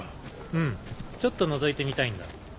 うんちょっと覗いてみたいんだ。